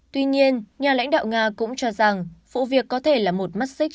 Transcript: tuy nhiên nhà lãnh đạo nga cũng cho rằng vụ việc có thể là một mắt xích